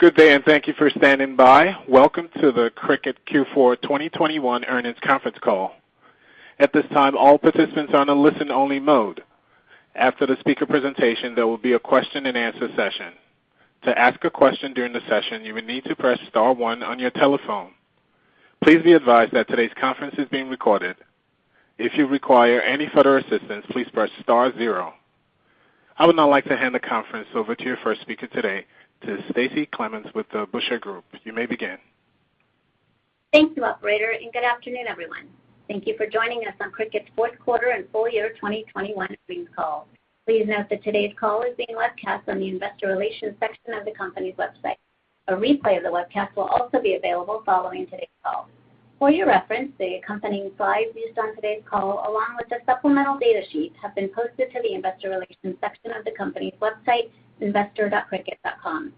Good day, and thank you for standing by. Welcome to the Cricut Q4 2021 Earnings Conference Call. At this time, all participants are on a listen-only mode. After the speaker presentation, there will be a question-and-answer session. To ask a question during the session, you will need to press star one on your telephone. Please be advised that today's conference is being recorded. If you require any further assistance, please press star zero. I would now like to hand the conference over to your first speaker today, to Stacie Clements with the Blueshirt Group. You may begin. Thank you, operator, and good afternoon, everyone. Thank you for joining us on Cricut's fourth quarter and full year 2021 earnings call. Please note that today's call is being webcast on the investor relations section of the company's website. A replay of the webcast will also be available following today's call. For your reference, the accompanying slides used on today's call, along with the supplemental data sheets, have been posted to the investor relations section of the company's website, investor.cricut.com.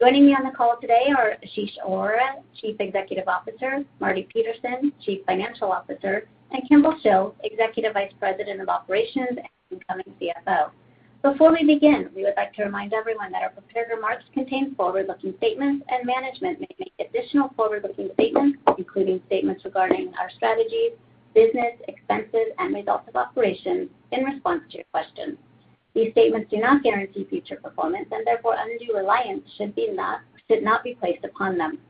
Joining me on the call today are Ashish Arora, Chief Executive Officer, Marty Petersen, Chief Financial Officer, and Kimball Shill, Executive Vice President of Operations and incoming CFO. Before we begin, we would like to remind everyone that our prepared remarks contain forward-looking statements, and management may make additional forward-looking statements, including statements regarding our strategies, business, expenses, and results of operations in response to your questions. These statements do not guarantee future performance, and therefore undue reliance should not be placed upon them.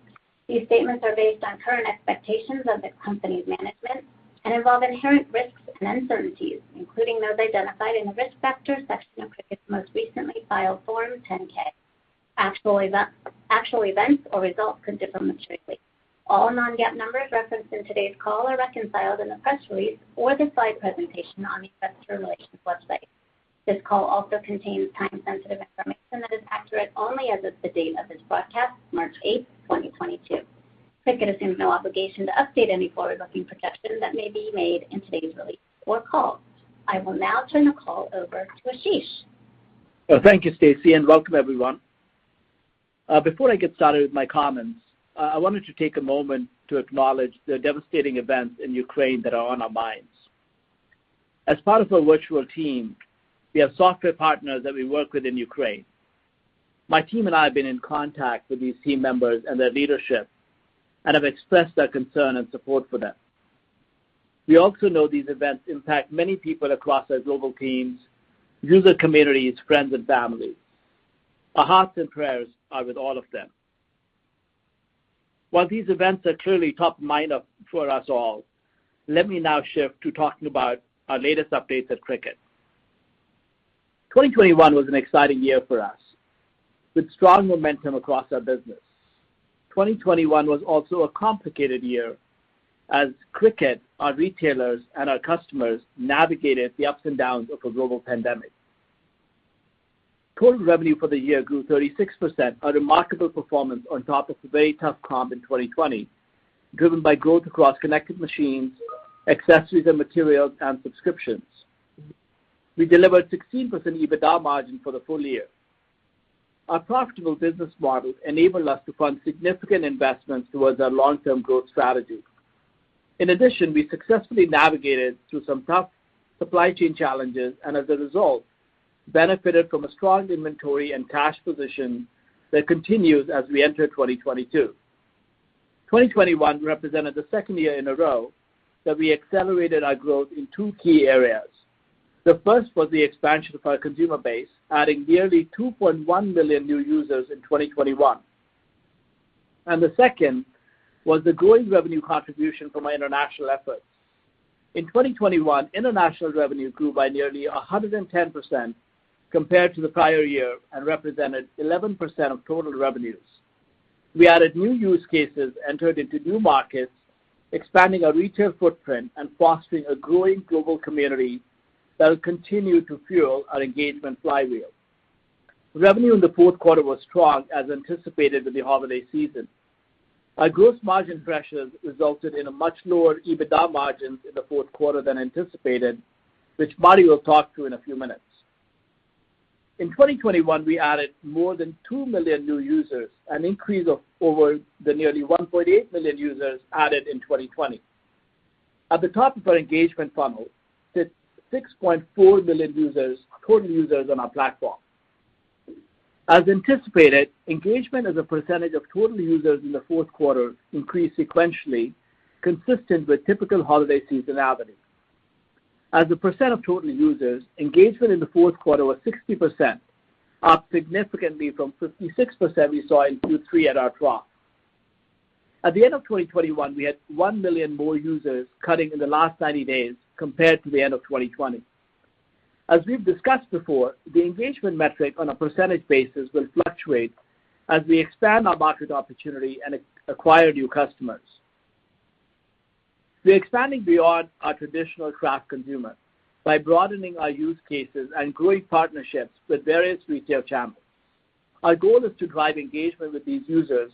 These statements are based on current expectations of the company's management and involve inherent risks and uncertainties, including those identified in the Risk Factors section of Cricut's most recently filed Form 10-K. Actual events or results could differ materially. All non-GAAP numbers referenced in today's call are reconciled in the press release or the slide presentation on the investor relations website. This call also contains time-sensitive information that is accurate only as of the date of this broadcast, March 8, 2022. Cricut assumes no obligation to update any forward-looking projections that may be made in today's release or call. I will now turn the call over to Ashish. Thank you, Stacy, and welcome everyone. Before I get started with my comments, I wanted to take a moment to acknowledge the devastating events in Ukraine that are on our minds. As part of a virtual team, we have software partners that we work with in Ukraine. My team and I have been in contact with these team members and their leadership and have expressed our concern and support for them. We also know these events impact many people across our global teams, user communities, friends, and family. Our hearts and prayers are with all of them. While these events are clearly top of mind for us all, let me now shift to talking about our latest updates at Cricut. 2021 was an exciting year for us, with strong momentum across our business. 2021 was also a complicated year as Cricut, our retailers, and our customers navigated the ups and downs of a global pandemic. Total revenue for the year grew 36%, a remarkable performance on top of a very tough comp in 2020, driven by growth across connected machines, accessories and materials, and subscriptions. We delivered 16% EBITDA margin for the full year. Our profitable business model enabled us to fund significant investments towards our long-term growth strategy. In addition, we successfully navigated through some tough supply chain challenges and, as a result, benefited from a strong inventory and cash position that continues as we enter 2022. 2021 represented the second year in a row that we accelerated our growth in two key areas. The first was the expansion of our consumer base, adding nearly 2.1 million new users in 2021. The second was the growing revenue contribution from our international efforts. In 2021, international revenue grew by nearly 110% compared to the prior year and represented 11% of total revenues. We added new use cases, entered into new markets, expanding our retail footprint and fostering a growing global community that will continue to fuel our engagement flywheel. Revenue in the fourth quarter was strong, as anticipated with the holiday season. Our gross margin pressures resulted in a much lower EBITDA margins in the fourth quarter than anticipated, which Marty will talk to in a few minutes. In 2021, we added more than 2 million new users, an increase of over the nearly 1.8 million users added in 2020. At the top of our engagement funnel sits 6.4 million users, total users on our platform. As anticipated, engagement as a percentage of total users in the fourth quarter increased sequentially, consistent with typical holiday seasonality. As a percent of total users, engagement in the fourth quarter was 60%, up significantly from 56% we saw in Q3 at our trough. At the end of 2021, we had 1 million more users cutting in the last 90 days compared to the end of 2020. As we've discussed before, the engagement metric on a percentage basis will fluctuate as we expand our market opportunity and acquire new customers. We're expanding beyond our traditional craft consumer by broadening our use cases and growing partnerships with various retail channels. Our goal is to drive engagement with these users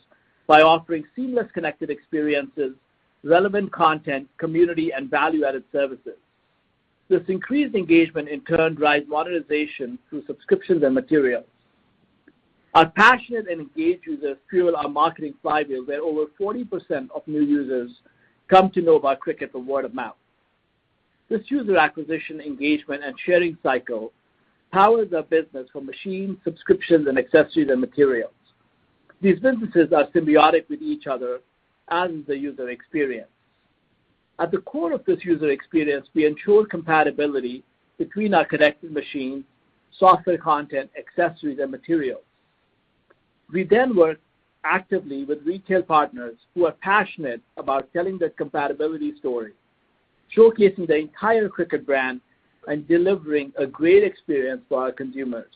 by offering seamless connected experiences, relevant content, community, and value-added services. This increased engagement in turn drives monetization through subscriptions and materials. Our passionate and engaged users fuel our marketing flywheel, where over 40% of new users come to know about Cricut through word of mouth. This user acquisition, engagement, and sharing cycle powers our business for machines, subscriptions, and accessories and materials. These businesses are symbiotic with each other and the user experience. At the core of this user experience, we ensure compatibility between our connected machines, software content, accessories, and materials. We then work actively with retail partners who are passionate about telling the compatibility story, showcasing the entire Cricut brand and delivering a great experience for our consumers.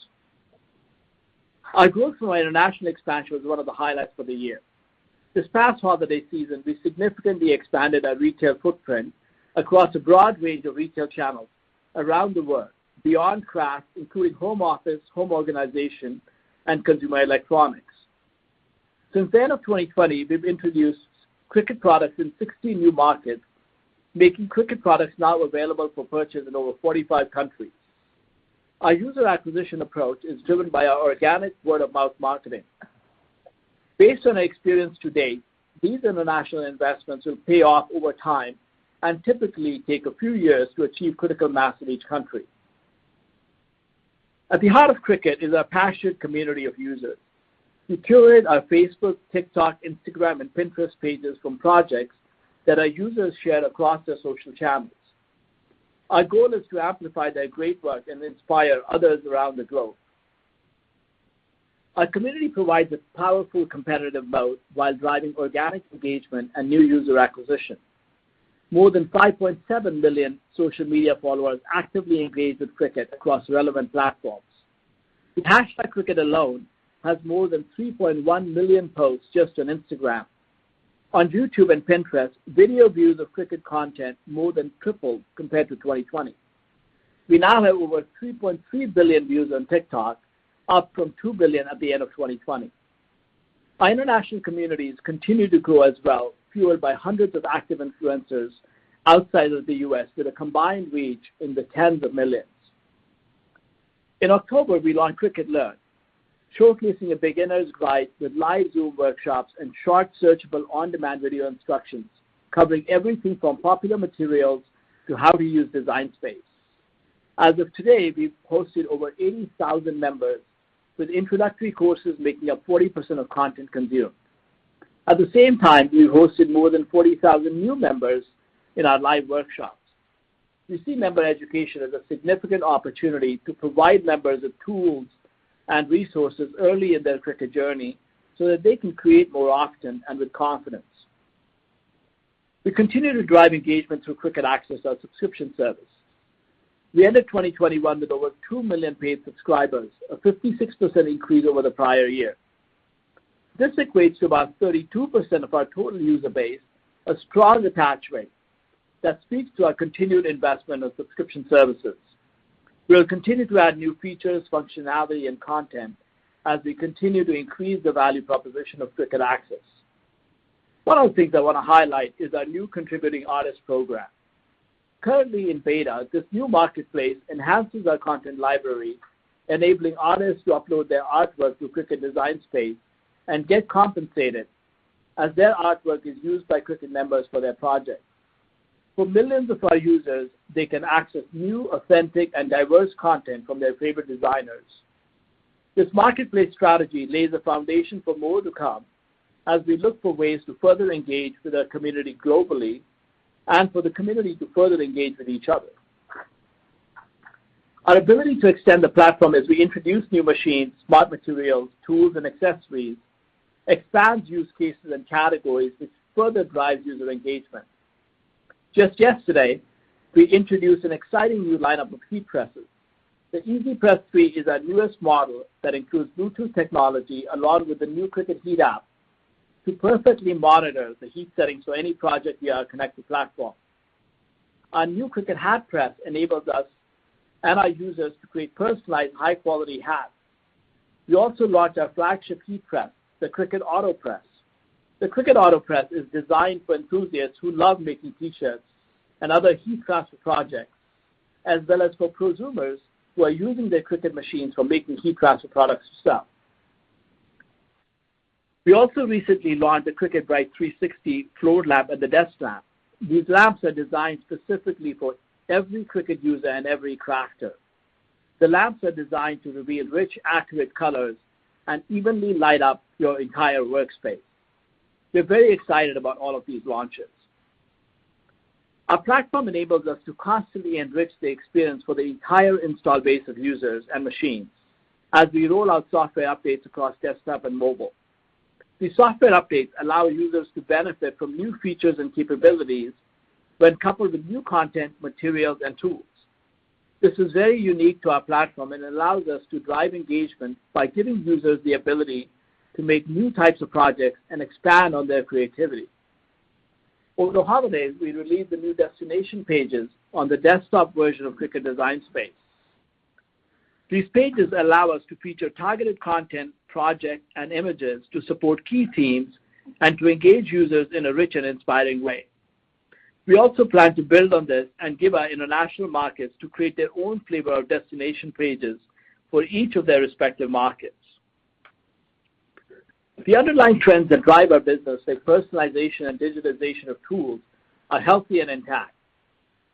Our growth from our international expansion was one of the highlights for the year. This past holiday season, we significantly expanded our retail footprint across a broad range of retail channels around the world beyond craft, including home office, home organization, and consumer electronics. Since the end of 2020, we've introduced Cricut products in 60 new markets, making Cricut products now available for purchase in over 45 countries. Our user acquisition approach is driven by our organic word-of-mouth marketing. Based on our experience to date, these international investments will pay off over time and typically take a few years to achieve critical mass in each country. At the heart of Cricut is our passionate community of users. We curate our Facebook, TikTok, Instagram, and Pinterest pages from projects that our users share across their social channels. Our goal is to amplify their great work and inspire others around the globe. Our community provides a powerful competitive moat while driving organic engagement and new user acquisition. More than 5.7 million social media followers actively engage with Cricut across relevant platforms. The hashtag Cricut alone has more than 3.1 million posts just on Instagram. On YouTube and Pinterest, video views of Cricut content more than tripled compared to 2020. We now have over 3.3 billion views on TikTok, up from 2 billion at the end of 2020. Our international communities continue to grow as well, fueled by hundreds of active influencers outside of the U.S. with a combined reach in the tens of millions. In October, we launched Cricut Learn, showcasing a beginner's guide with live Zoom workshops and short, searchable on-demand video instructions covering everything from popular materials to how to use Design Space. As of today, we've hosted over 80,000 members, with introductory courses making up 40% of content consumed. At the same time, we hosted more than 40,000 new members in our live workshops. We see member education as a significant opportunity to provide members with tools and resources early in their Cricut journey so that they can create more often and with confidence. We continue to drive engagement through Cricut Access, our subscription service. We ended 2021 with over 2 million paid subscribers, a 56% increase over the prior year. This equates to about 32% of our total user base, a strong attach rate that speaks to our continued investment of subscription services. We'll continue to add new features, functionality, and content as we continue to increase the value proposition of Cricut Access. One of the things I want to highlight is our new contributing artist program. Currently in beta, this new marketplace enhances our content library, enabling artists to upload their artwork to Cricut Design Space and get compensated as their artwork is used by Cricut members for their projects. For millions of our users, they can access new, authentic, and diverse content from their favorite designers. This marketplace strategy lays a foundation for more to come as we look for ways to further engage with our community globally and for the community to further engage with each other. Our ability to extend the platform as we introduce new machines, smart materials, tools, and accessories expands use cases and categories, which further drives user engagement. Just yesterday, we introduced an exciting new lineup of heat presses. The EasyPress 3 is our newest model that includes Bluetooth technology along with the new Cricut Heat app to perfectly monitor the heat settings for any project via our connected platform. Our new Cricut Hat Press enables us and our users to create personalized, high-quality hats. We also launched our flagship heat press, the Cricut Autopress. The Cricut Autopress is designed for enthusiasts who love making T-shirts and other heat transfer projects, as well as for prosumers who are using their Cricut machines for making heat transfer products to sell. We also recently launched the Cricut Bright 360 floor lamp and the desk lamp. These lamps are designed specifically for every Cricut user and every crafter. The lamps are designed to reveal rich, accurate colors and evenly light up your entire workspace. We're very excited about all of these launches. Our platform enables us to constantly enrich the experience for the entire installed base of users and machines as we roll out software updates across desktop and mobile. These software updates allow users to benefit from new features and capabilities when coupled with new content, materials, and tools. This is very unique to our platform and allows us to drive engagement by giving users the ability to make new types of projects and expand on their creativity. Over the holidays, we released the new destination pages on the desktop version of Cricut Design Space. These pages allow us to feature targeted content, projects, and images to support key themes and to engage users in a rich and inspiring way. We also plan to build on this and give our international markets to create their own flavor of destination pages for each of their respective markets. The underlying trends that drive our business, like personalization and digitization of tools, are healthy and intact.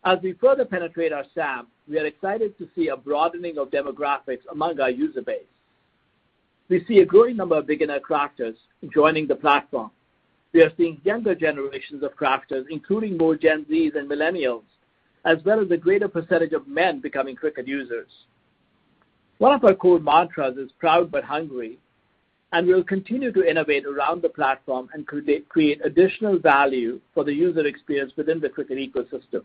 As we further penetrate our SAM, we are excited to see a broadening of demographics among our user base. We see a growing number of beginner crafters joining the platform. We are seeing younger generations of crafters, including more Gen Zs and millennials, as well as a greater percentage of men becoming Cricut users. One of our core mantras is proud but hungry, and we'll continue to innovate around the platform and create additional value for the user experience within the Cricut ecosystem.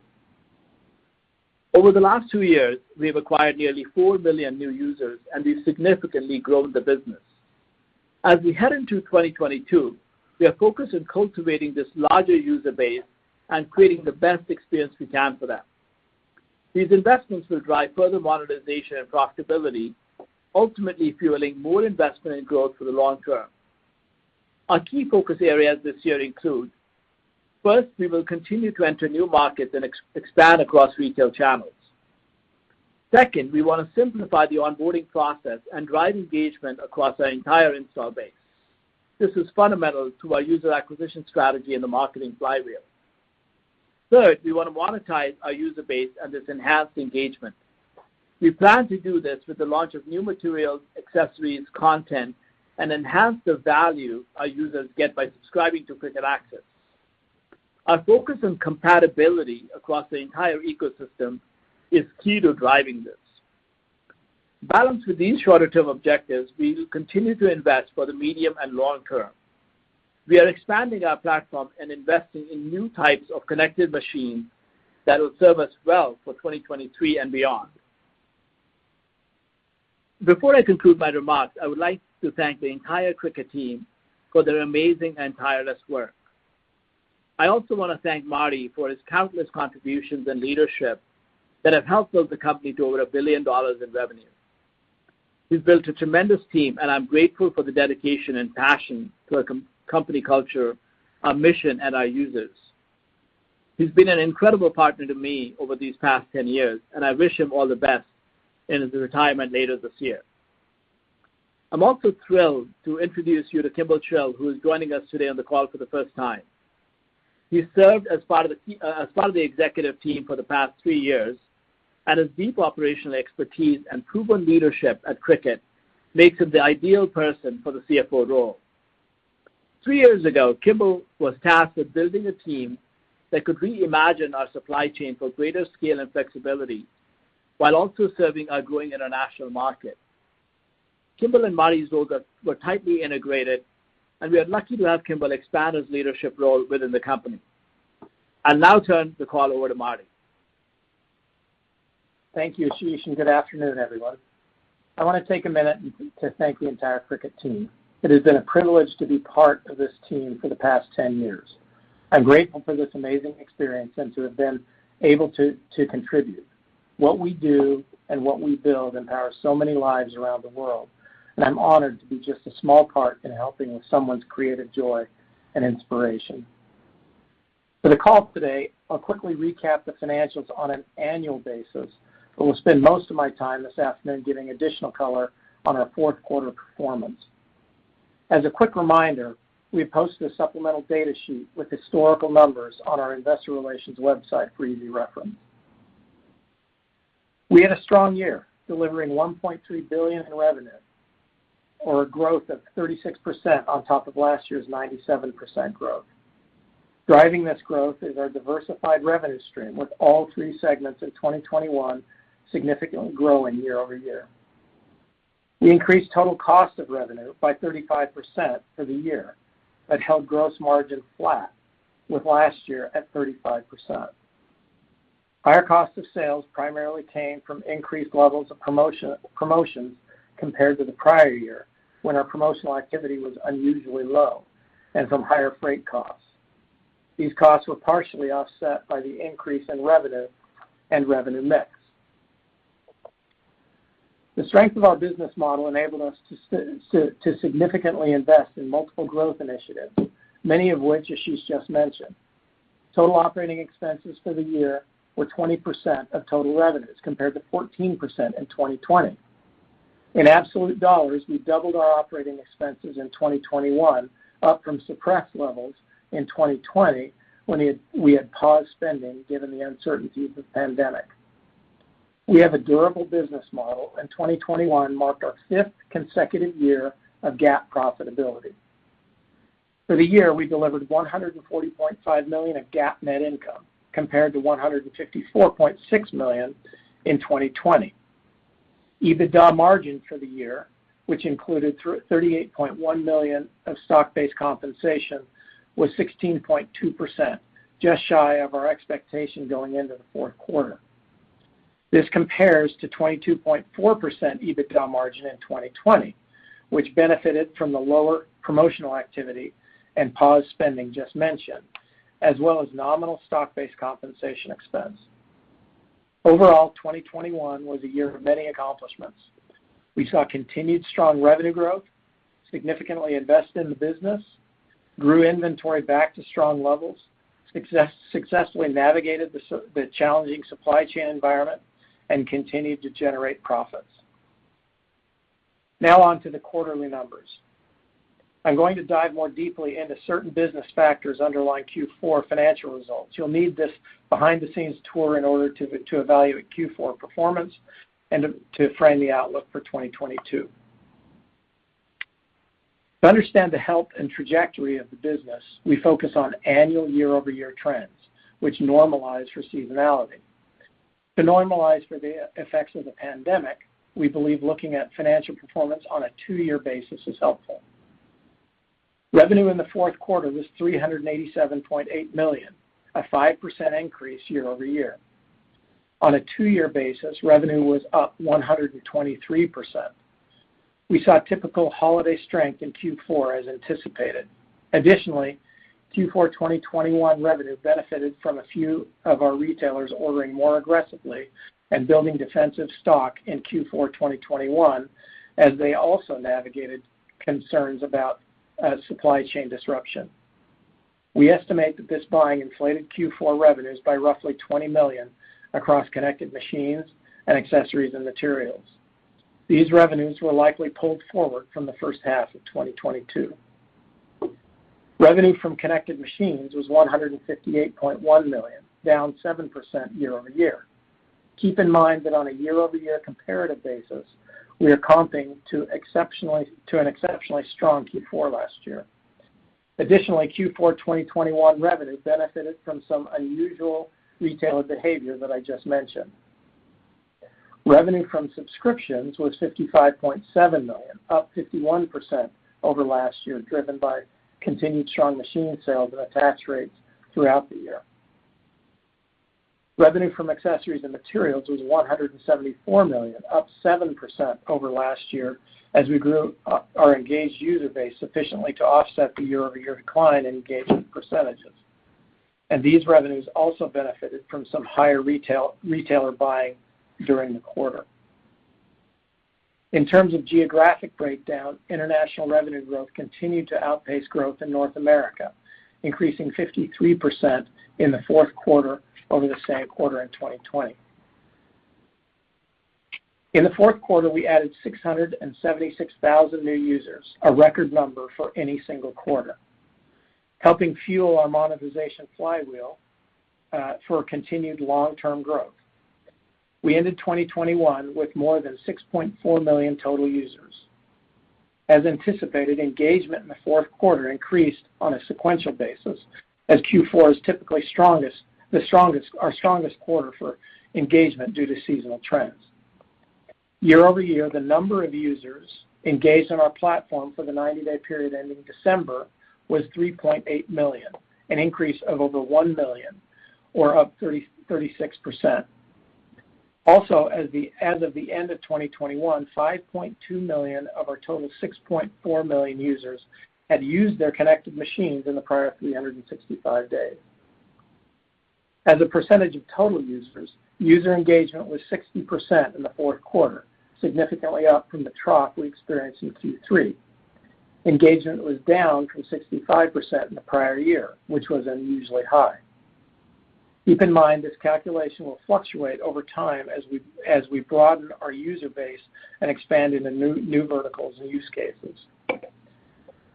Over the last two years, we've acquired nearly 4 million new users, and we've significantly grown the business. As we head into 2022, we are focused on cultivating this larger user base and creating the best experience we can for them. These investments will drive further monetization and profitability, ultimately fueling more investment and growth for the long-term. Our key focus areas this year include, first, we will continue to enter new markets and expand across retail channels. Second, we wanna simplify the onboarding process and drive engagement across our entire install base. This is fundamental to our user acquisition strategy and the marketing flywheel. Third, we wanna monetize our user base and this enhanced engagement. We plan to do this with the launch of new materials, accessories, content, and enhance the value our users get by subscribing to Cricut Access. Our focus on compatibility across the entire ecosystem is key to driving this. Balanced with these shorter-term objectives, we will continue to invest for the medium and long-term. We are expanding our platform and investing in new types of connected machines that will serve us well for 2023 and beyond. Before I conclude my remarks, I would like to thank the entire Cricut team for their amazing and tireless work. I also wanna thank Marty for his countless contributions and leadership that have helped build the company to over $1 billion in revenue. He's built a tremendous team, and I'm grateful for the dedication and passion to our company culture, our mission, and our users. He's been an incredible partner to me over these past 10 years, and I wish him all the best in his retirement later this year. I'm also thrilled to introduce you to Kimball Shill, who is joining us today on the call for the first time. He served as part of the executive team for the past three years, and his deep operational expertise and proven leadership at Cricut makes him the ideal person for the CFO role. Three years ago, Kimball was tasked with building a team that could reimagine our supply chain for greater scale and flexibility while also serving our growing international market. Kimball and Marty's roles were tightly integrated, and we are lucky to have Kimball expand his leadership role within the company. I now turn the call over to Marty. Thank you, Ashish, and good afternoon, everyone. I wanna take a minute to thank the entire Cricut team. It has been a privilege to be part of this team for the past 10 years. I'm grateful for this amazing experience and to have been able to contribute. What we do and what we build empowers so many lives around the world, and I'm honored to be just a small part in helping with someone's creative joy and inspiration. For the call today, I'll quickly recap the financials on an annual basis, but we'll spend most of my time this afternoon giving additional color on our fourth quarter performance. As a quick reminder, we posted a supplemental data sheet with historical numbers on our investor relations website for easy reference. We had a strong year, delivering $1.2 billion in revenue or a growth of 36% on top of last year's 97% growth. Driving this growth is our diversified revenue stream, with all three segments of 2021 significantly growing year-over-year. We increased total cost of revenue by 35% for the year but held gross margin flat with last year at 35%. Higher cost of sales primarily came from increased levels of promotions compared to the prior year when our promotional activity was unusually low and from higher freight costs. These costs were partially offset by the increase in revenue and revenue mix. The strength of our business model enabled us to significantly invest in multiple growth initiatives, many of which Ashish just mentioned. Total operating expenses for the year were 20% of total revenues, compared to 14% in 2020. In absolute dollars, we doubled our operating expenses in 2021, up from suppressed levels in 2020 when we had paused spending given the uncertainty of the pandemic. We have a durable business model, and 2021 marked our fifth consecutive year of GAAP profitability. For the year, we delivered $140.5 million of GAAP net income, compared to $154.6 million in 2020. EBITDA margin for the year, which included $38.1 million of stock-based compensation, was 16.2%, just shy of our expectation going into the fourth quarter. This compares to 22.4% EBITDA margin in 2020, which benefited from the lower promotional activity and paused spending just mentioned, as well as nominal stock-based compensation expense. Overall, 2021 was a year of many accomplishments. We saw continued strong revenue growth, significantly invested in the business, grew inventory back to strong levels, successfully navigated the challenging supply chain environment, and continued to generate profits. Now on to the quarterly numbers. I'm going to dive more deeply into certain business factors underlying Q4 financial results. You'll need this behind-the-scenes tour in order to evaluate Q4 performance and to frame the outlook for 2022. To understand the health and trajectory of the business, we focus on annual year-over-year trends, which normalize for seasonality. To normalize for the effects of the pandemic, we believe looking at financial performance on a two-year basis is helpful. Revenue in the fourth quarter was $387.8 million, a 5% increase year-over-year. On a two-year basis, revenue was up 123%. We saw typical holiday strength in Q4 as anticipated. Additionally, Q4 2021 revenue benefited from a few of our retailers ordering more aggressively and building defensive stock in Q4 2021 as they also navigated concerns about supply chain disruption. We estimate that this buying inflated Q4 revenues by roughly $20 million across connected machines and accessories and materials. These revenues were likely pulled forward from the first half of 2022. Revenue from connected machines was $158.1 million, down 7% year-over-year. Keep in mind that on a year-over-year comparative basis, we are comping to an exceptionally strong Q4 last year. Additionally, Q4 2021 revenue benefited from some unusual retailer behavior that I just mentioned. Revenue from subscriptions was $55.7 million, up 51% over last year, driven by continued strong machine sales and attach rates throughout the year. Revenue from accessories and materials was $174 million, up 7% over last year as we grew our engaged user base sufficiently to offset the year-over-year decline in engagement percentages. These revenues also benefited from some higher retail-retailer buying during the quarter. In terms of geographic breakdown, international revenue growth continued to outpace growth in North America, increasing 53% in the fourth quarter over the same quarter in 2020. In the fourth quarter, we added 676,000 new users, a record number for any single quarter, helping fuel our monetization flywheel for continued long-term growth. We ended 2021 with more than 6.4 million total users. As anticipated, engagement in the fourth quarter increased on a sequential basis as Q4 is typically strongest, our strongest quarter for engagement due to seasonal trends. Year-over-year, the number of users engaged on our platform for the 90-day period ending December was 3.8 million, an increase of over 1 million or up 36%. Also, as of the end of 2021, 5.2 million of our total 6.4 million users had used their connected machines in the prior 365 days. As a percentage of total users, user engagement was 60% in the fourth quarter, significantly up from the trough we experienced in Q3. Engagement was down from 65% in the prior year, which was unusually high. Keep in mind this calculation will fluctuate over time as we broaden our user base and expand into new verticals and use cases.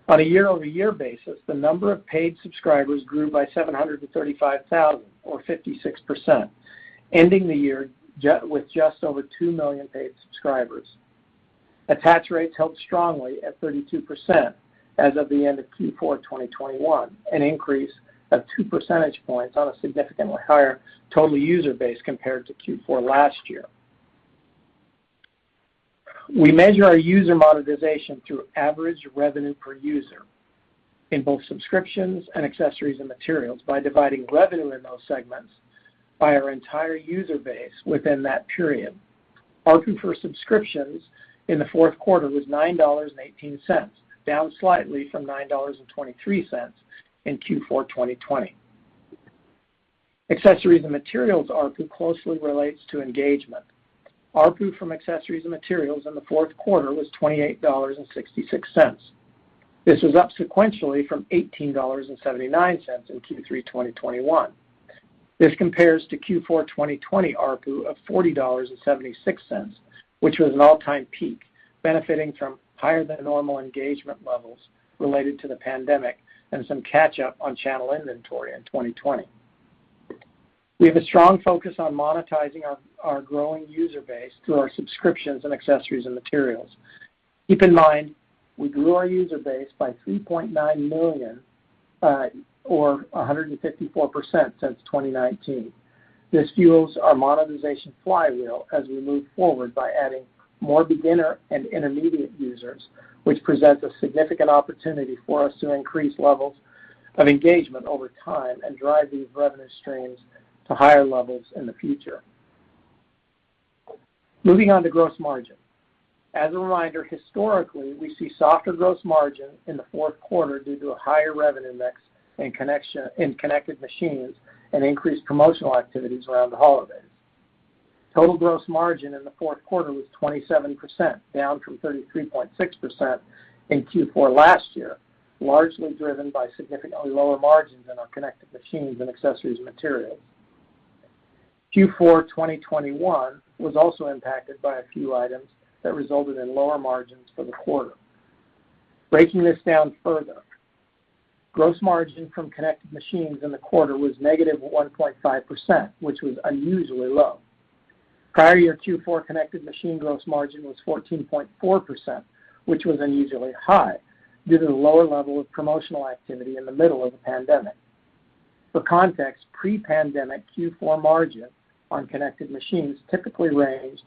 On a year-over-year basis, the number of paid subscribers grew by 735,000 or 56%, ending the year with just over 2 million paid subscribers. Attach rates held strongly at 32% as of the end of Q4 2021, an increase of 2 percentage points on a significantly higher total user base compared to Q4 last year. We measure our user monetization through average revenue per user in both subscriptions and accessories and materials by dividing revenue in those segments by our entire user base within that period. ARPU for subscriptions in the fourth quarter was $9.18, down slightly from $9.23 in Q4 2020. Accessories and materials ARPU closely relates to engagement. ARPU from accessories and materials in the fourth quarter was $28.66. This was up sequentially from $18.79 in Q3 2021. This compares to Q4 2020 ARPU of $40.76, which was an all-time peak, benefiting from higher than normal engagement levels related to the pandemic and some catch up on channel inventory in 2020. We have a strong focus on monetizing our growing user base through our subscriptions and accessories and materials. Keep in mind, we grew our user base by 3.9 million or 154% since 2019. This fuels our monetization flywheel as we move forward by adding more beginner and intermediate users, which presents a significant opportunity for us to increase levels of engagement over time and drive these revenue streams to higher levels in the future. Moving on to gross margin. As a reminder, historically, we see softer gross margin in the fourth quarter due to a higher revenue mix in connected machines and increased promotional activities around the holidays. Total gross margin in the fourth quarter was 27%, down from 33.6% in Q4 last year, largely driven by significantly lower margins in our connected machines and accessories and materials. Q4 2021 was also impacted by a few items that resulted in lower margins for the quarter. Breaking this down further, gross margin from connected machines in the quarter was -1.5%, which was unusually low. Prior year Q4 connected machine gross margin was 14.4%, which was unusually high due to the lower level of promotional activity in the middle of the pandemic. For context, pre-pandemic Q4 margin on connected machines typically ranged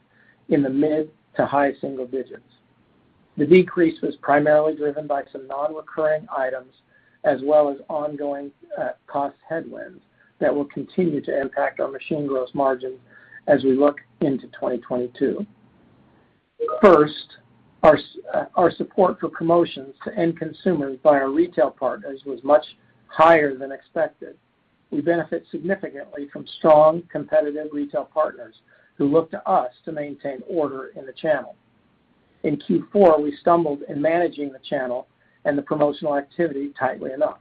in the mid- to high-single digits. The decrease was primarily driven by some non-recurring items as well as ongoing cost headwinds that will continue to impact our machine gross margin as we look into 2022. First, our support for promotions to end consumers by our retail partners was much higher than expected. We benefit significantly from strong competitive retail partners who look to us to maintain order in the channel. In Q4, we stumbled in managing the channel and the promotional activity tightly enough.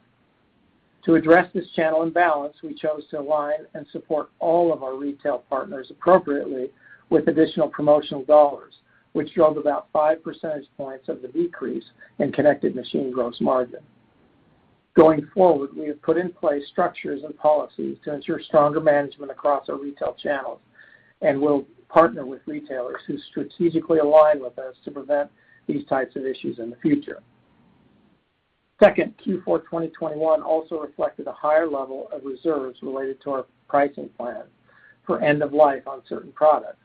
To address this channel imbalance, we chose to align and support all of our retail partners appropriately with additional promotional dollars, which drove about 5 percentage points of the decrease in connected machine gross margin. Going forward, we have put in place structures and policies to ensure stronger management across our retail channels, and we'll partner with retailers who strategically align with us to prevent these types of issues in the future. Second, Q4 2021 also reflected a higher level of reserves related to our pricing plan for end of life on certain products.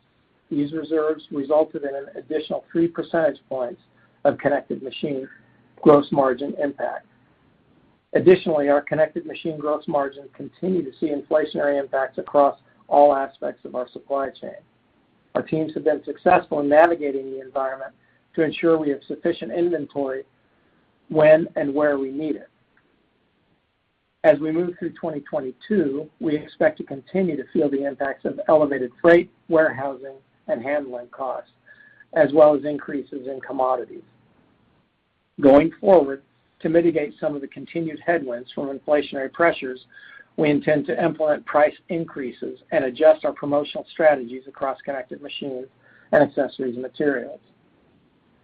These reserves resulted in an additional 3 percentage points of connected machine gross margin impact. Additionally, our connected machine gross margin continued to see inflationary impacts across all aspects of our supply chain. Our teams have been successful in navigating the environment to ensure we have sufficient inventory when and where we need it. As we move through 2022, we expect to continue to feel the impacts of elevated freight, warehousing, and handling costs, as well as increases in commodities. Going forward, to mitigate some of the continued headwinds from inflationary pressures, we intend to implement price increases and adjust our promotional strategies across connected machines and accessories and materials.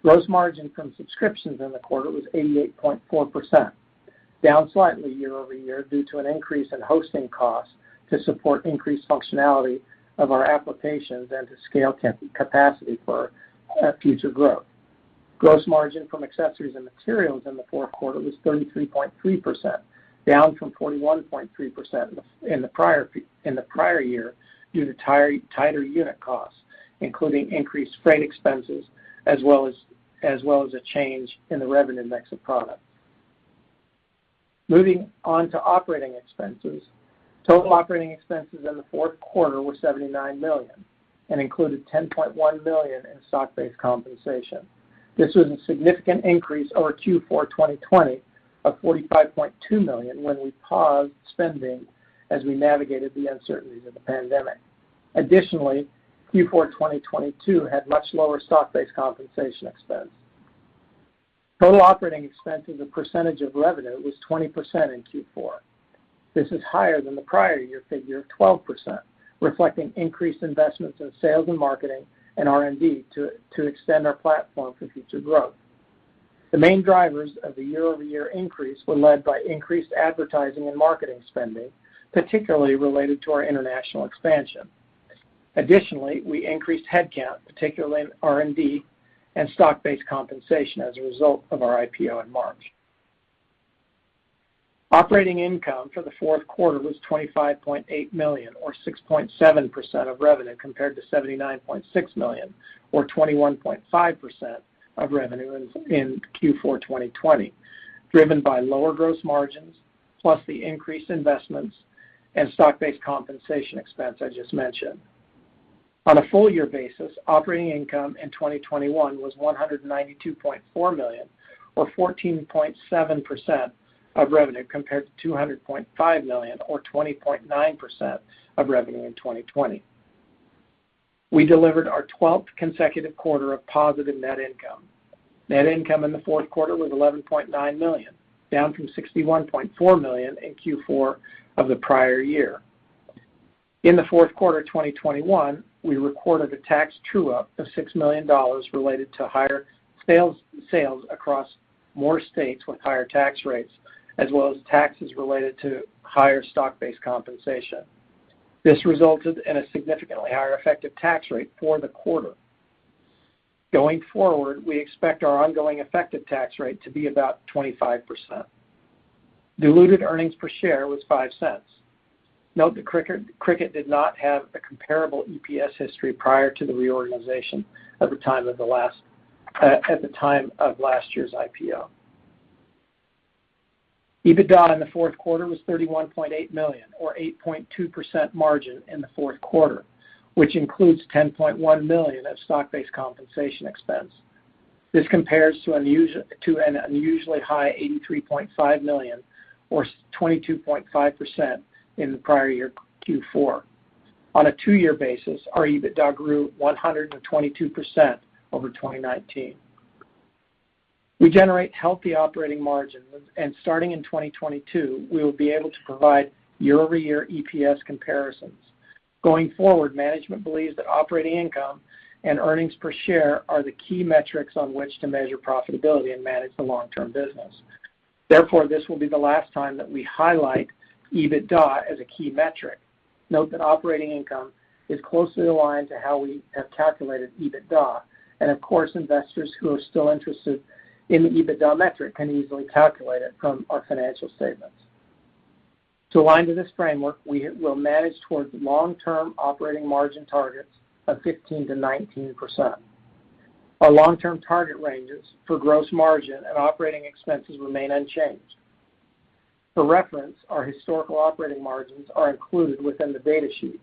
Gross margin from subscriptions in the quarter was 88.4%, down slightly year-over-year due to an increase in hosting costs to support increased functionality of our applications and to scale capacity for future growth. Gross margin from accessories and materials in the fourth quarter was 33.3%, down from 41.3% in the prior year due to tighter unit costs, including increased freight expenses as well as a change in the revenue mix of product. Moving on to operating expenses. Total operating expenses in the fourth quarter were $79 million and included $10.1 million in stock-based compensation. This was a significant increase over Q4 2020 of $45.2 million when we paused spending as we navigated the uncertainties of the pandemic. Additionally, Q4 2022 had much lower stock-based compensation expense. Total operating expense as a percentage of revenue was 20% in Q4. This is higher than the prior year figure of 12%, reflecting increased investments in sales and marketing and R&D to extend our platform for future growth. The main drivers of the year-over-year increase were led by increased advertising and marketing spending, particularly related to our international expansion. Additionally, we increased headcount, particularly in R&D and stock-based compensation as a result of our IPO in March. Operating income for the fourth quarter was $25.8 million or 6.7% of revenue, compared to $79.6 million or 21.5% of revenue in Q4 2020, driven by lower gross margins plus the increased investments and stock-based compensation expense I just mentioned. On a full year basis, operating income in 2021 was $192.4 million or 14.7% of revenue, compared to $200.5 million or 20.9% of revenue in 2020. We delivered our twelfth consecutive quarter of positive net income. Net income in the fourth quarter was $11.9 million, down from $61.4 million in Q4 of the prior year. In the fourth quarter 2021, we recorded a tax true-up of $6 million related to higher sales across more states with higher tax rates as well as taxes related to higher stock-based compensation. This resulted in a significantly higher effective tax rate for the quarter. Going forward, we expect our ongoing effective tax rate to be about 25%. Diluted earnings per share was $0.05. Note that Cricut did not have a comparable EPS history prior to the reorganization at the time of last year's IPO. EBITDA in the fourth quarter was $31.8 million or 8.2% margin in the fourth quarter, which includes $10.1 million of stock-based compensation expense. This compares to an unusually high $83.5 million or 22.5% in the prior year Q4. On a two-year basis, our EBITDA grew 122% over 2019. We generate healthy operating margins, and starting in 2022, we will be able to provide year-over-year EPS comparisons. Going forward, management believes that operating income and earnings per share are the key metrics on which to measure profitability and manage the long-term business. Therefore, this will be the last time that we highlight EBITDA as a key metric. Note that operating income is closely aligned to how we have calculated EBITDA. Of course, investors who are still interested in the EBITDA metric can easily calculate it from our financial statements. To align to this framework, we will manage towards long-term operating margin targets of 15%-19%. Our long-term target ranges for gross margin and operating expenses remain unchanged. For reference, our historical operating margins are included within the data sheet,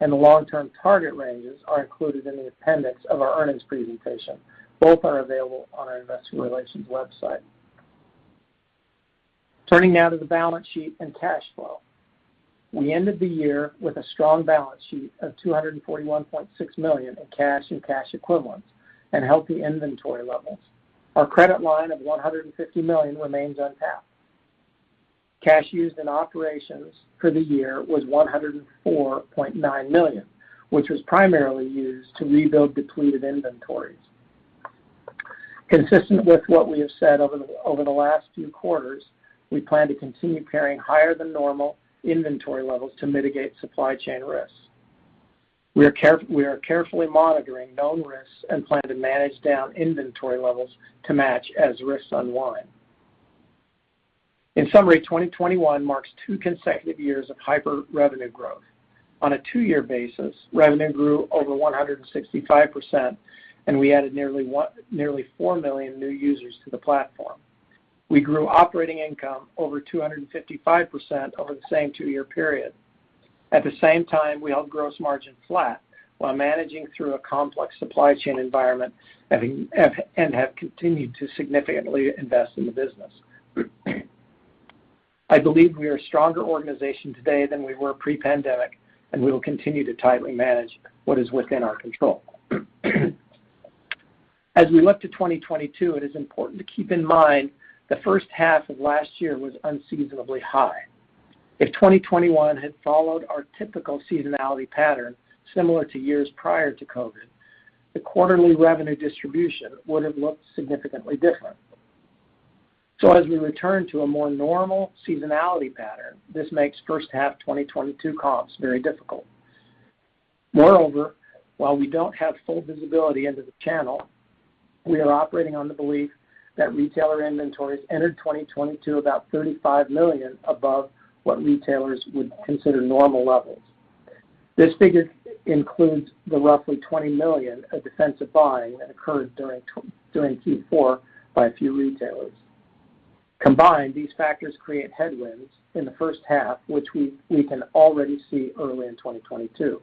and the long-term target ranges are included in the appendix of our earnings presentation. Both are available on our investor relations website. Turning now to the balance sheet and cash flow. We ended the year with a strong balance sheet of $241.6 million in cash and cash equivalents and healthy inventory levels. Our credit line of $150 million remains untapped. Cash used in operations for the year was $104.9 million, which was primarily used to rebuild depleted inventories. Consistent with what we have said over the last few quarters, we plan to continue carrying higher than normal inventory levels to mitigate supply chain risks. We are carefully monitoring known risks and plan to manage down inventory levels to match as risks unwind. In summary, 2021 marks two consecutive years of hyper-revenue growth. On a two-year basis, revenue grew over 165%, and we added nearly 4 million new users to the platform. We grew operating income over 255% over the same two-year period. At the same time, we held gross margin flat while managing through a complex supply chain environment and have continued to significantly invest in the business. I believe we are a stronger organization today than we were pre-pandemic, and we will continue to tightly manage what is within our control. As we look to 2022, it is important to keep in mind the first half of last year was unseasonably high. If 2021 had followed our typical seasonality pattern, similar to years prior to COVID, the quarterly revenue distribution would have looked significantly different. As we return to a more normal seasonality pattern, this makes first half 2022 comps very difficult. Moreover, while we don't have full visibility into the channel, we are operating on the belief that retailer inventories entered 2022 about $35 million above what retailers would consider normal levels. This figure includes the roughly $20 million of defensive buying that occurred during Q4 by a few retailers. Combined, these factors create headwinds in the first half, which we can already see early in 2022.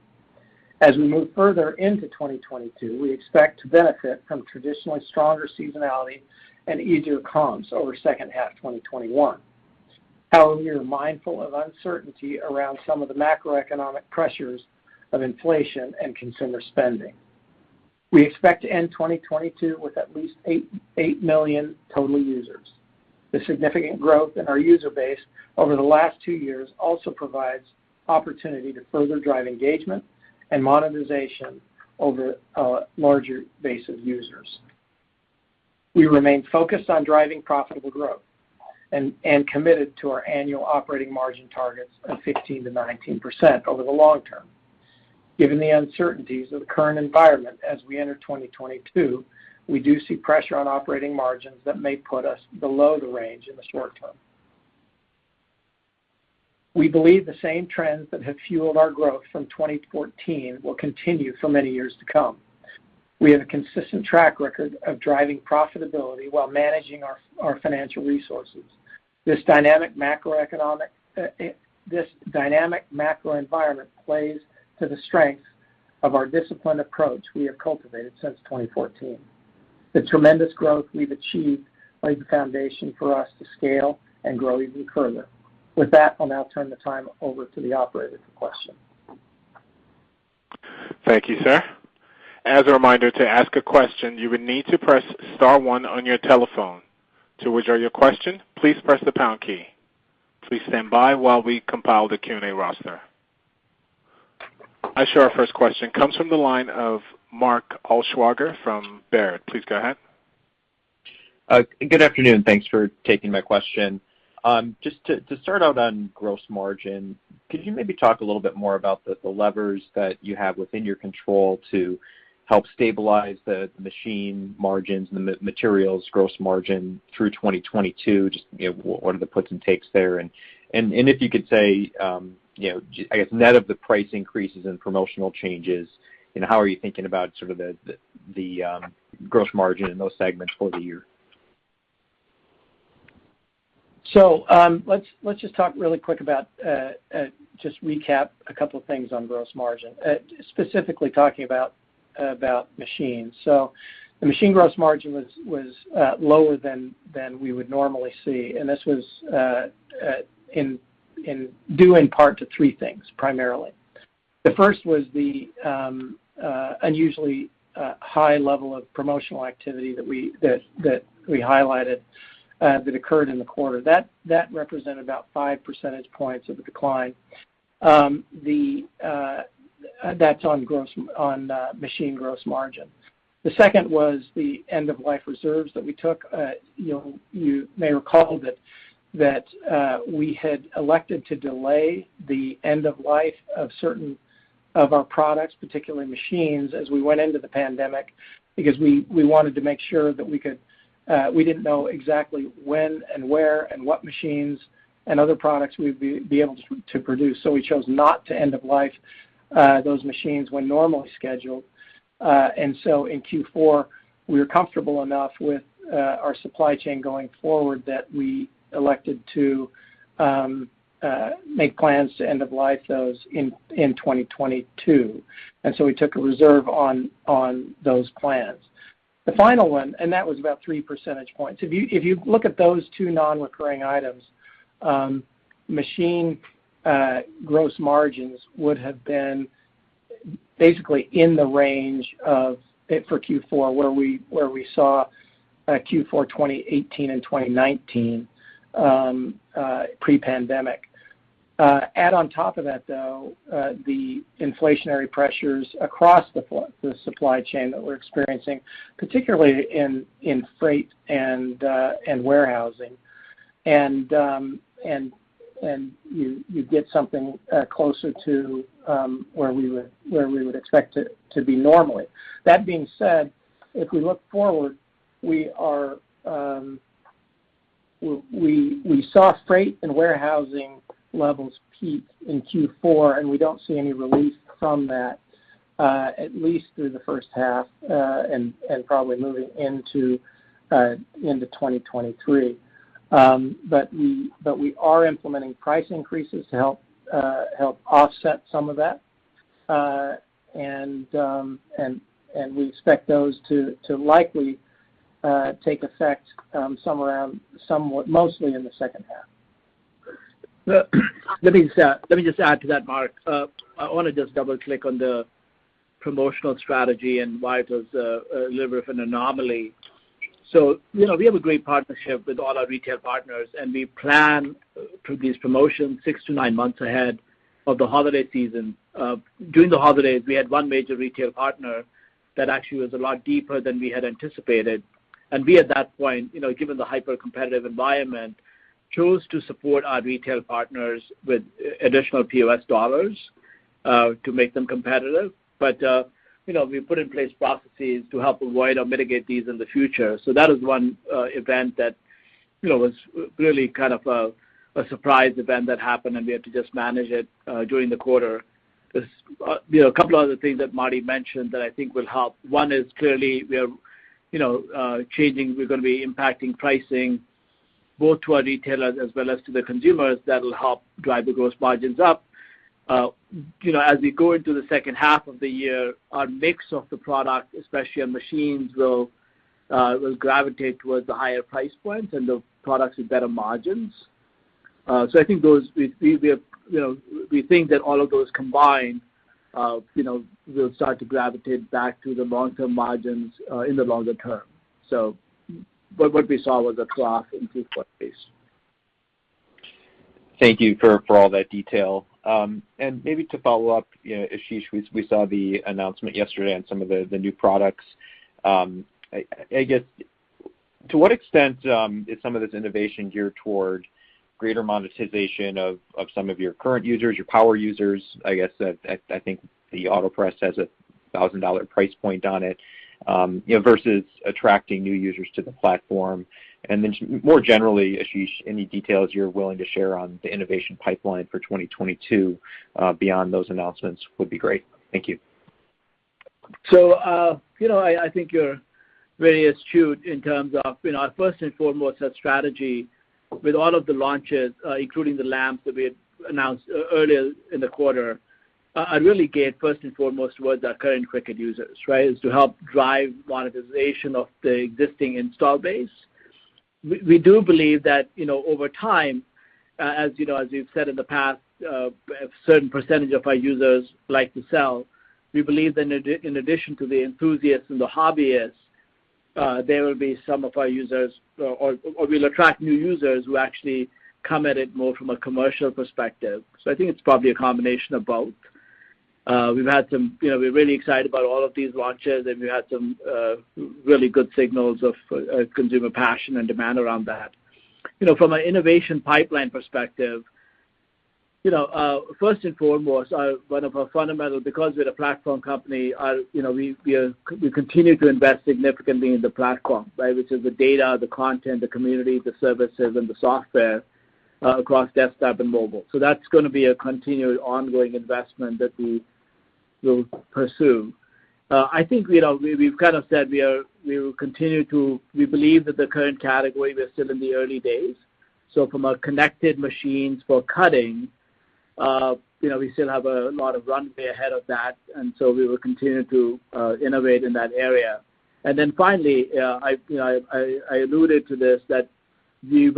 As we move further into 2022, we expect to benefit from traditionally stronger seasonality and easier comps over second half 2021. However, we are mindful of uncertainty around some of the macroeconomic pressures of inflation and consumer spending. We expect to end 2022 with at least 8 million total users. The significant growth in our user base over the last two years also provides opportunity to further drive engagement and monetization over a larger base of users. We remain focused on driving profitable growth and committed to our annual operating margin targets of 15%-19% over the long-term. Given the uncertainties of the current environment as we enter 2022, we do see pressure on operating margins that may put us below the range in the short-term. We believe the same trends that have fueled our growth from 2014 will continue for many years to come. We have a consistent track record of driving profitability while managing our financial resources. This dynamic macro environment plays to the strength of our disciplined approach we have cultivated since 2014. The tremendous growth we've achieved laid the foundation for us to scale and grow even further. With that, I'll now turn the time over to the operator for questions. Thank you, sir. As a reminder to ask a question, you would need to press star one on your telephone. To withdraw your question, please press the pound key. Please stand by while we compile the Q&A roster. I show our first question comes from the line of Mark Altschwager from Baird. Please go ahead. Good afternoon. Thanks for taking my question. Just to start out on gross margin, could you maybe talk a little bit more about the levers that you have within your control to help stabilize the machine margins and the materials gross margin through 2022, just, you know, what are the puts and takes there? If you could say, you know, I guess net of the price increases and promotional changes, you know, how are you thinking about sort of the gross margin in those segments for the year? Let's just talk really quick about just recap a couple of things on gross margin, specifically talking about machines. The machine gross margin was lower than we would normally see, and this was due in part to three things, primarily. The first was the unusually high level of promotional activity that we highlighted that occurred in the quarter. That represented about 5 percentage points of the decline. That's on machine gross margin. The second was the end-of-life reserves that we took. You know, you may recall that we had elected to delay the end of life of certain of our products, particularly machines, as we went into the pandemic, because we wanted to make sure that we could, we didn't know exactly when and where and what machines and other products we'd be able to produce. We chose not to end of life those machines when normally scheduled. In Q4, we were comfortable enough with our supply chain going forward that we elected to make plans to end of life those in 2022. We took a reserve on those plans. The final one, and that was about 3 percentage points. If you look at those two non-recurring items, machine gross margins would have been basically in the range of, for Q4, where we saw Q4 2018 and 2019, pre-pandemic. Add on top of that, though, the inflationary pressures across the board, the supply chain that we're experiencing, particularly in freight and warehousing, and you get something closer to where we would expect it to be normally. That being said, if we look forward, we saw freight and warehousing levels peak in Q4, and we don't see any relief from that, at least through the first half, and probably moving into 2023. We are implementing price increases to help offset some of that. We expect those to likely take effect somewhere around, somewhat, mostly in the second half. Let me just add to that, Mark. I want to just double-click on the promotional strategy and why it was a little bit of an anomaly. You know, we have a great partnership with all our retail partners, and we plan these promotions six-nine months ahead of the holiday season. During the holidays, we had one major retail partner that actually was a lot deeper than we had anticipated. We, at that point, you know, given the hyper-competitive environment, chose to support our retail partners with additional POS dollars to make them competitive. You know, we put in place processes to help avoid or mitigate these in the future. That is one event that, you know, was really kind of a surprise event that happened, and we had to just manage it during the quarter. There's, you know, a couple other things that Marty mentioned that I think will help. One is clearly we're, you know, changing. We're gonna be impacting pricing both to our retailers as well as to the consumers that will help drive the gross margins up. You know, as we go into the second half of the year, our mix of the product, especially on machines, will gravitate towards the higher price points and the products with better margins. I think those. We're, you know, we think that all of those combined, you know, will start to gravitate back to the long-term margins in the longer term. What we saw was a trough in Q4, yes. Thank you for all that detail. Maybe to follow-up, you know, Ashish, we saw the announcement yesterday on some of the new products. I guess to what extent is some of this innovation geared toward greater monetization of some of your current users, your power users, I guess, I think the Autopress has a $1,000 price point on it, you know, versus attracting new users to the platform? More generally, Ashish, any details you're willing to share on the innovation pipeline for 2022 beyond those announcements would be great. Thank you. You know, I think you're very astute in terms of, you know, first and foremost, our strategy with all of the launches, including the lamps that we had announced earlier in the quarter, are really geared first and foremost towards our current Cricut users, right, is to help drive monetization of the existing install base. We do believe that, you know, over time, as you know, as we've said in the past, a certain percentage of our users like to sell. We believe that in addition to the enthusiasts and the hobbyists, there will be some of our users or we'll attract new users who actually come at it more from a commercial perspective. I think it's probably a combination of both. You know, we're really excited about all of these launches, and we've had some really good signals of consumer passion and demand around that. You know, from an innovation pipeline perspective, you know, first and foremost, one of our fundamental, because we're a platform company, you know, we continue to invest significantly in the platform, right? Which is the data, the content, the community, the services, and the software across desktop and mobile. That's gonna be a continued ongoing investment that we'll pursue. I think, you know, we've kind of said we will continue to believe that the current category, we're still in the early days. From our connected machines for cutting, you know, we still have a lot of runway ahead of that, and we will continue to innovate in that area. Finally, I alluded to this, we